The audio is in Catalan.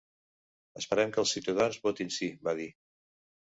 Esperem que els ciutadans votin sí, va dir.